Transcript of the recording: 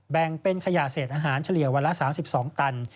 แบ่งเป็นขยะเศษอาหารเฉลี่ยวันละ๓๒ตัน